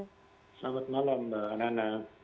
selamat malam mbak nana